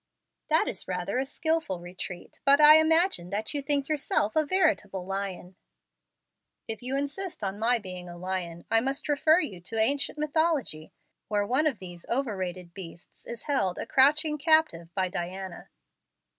"That is rather a skilful retreat; but I imagine that you think yourself a veritable lion." "If you insist on my being a lion, I must refer you to ancient mythology, where one of these overrated beasts is held a crouching captive by Diana."